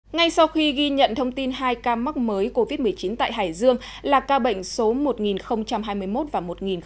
ngay sau khi ghi nhận thông tin hai ca mắc mới covid một mươi chín tại hải dương là ca bệnh số một nghìn hai mươi một và một nghìn tám